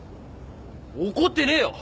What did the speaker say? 怒ってねえよ！